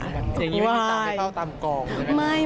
อย่างงี้ไม่ได้เก้าตามกองเลย